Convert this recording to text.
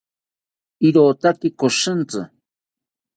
irotaki koshintzi